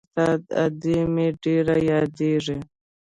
استاده ادې مې ډېره رايادېږي.